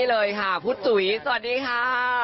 เวลาเหนื่อยไหมคะ